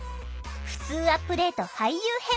「ふつうアップデート俳優編」。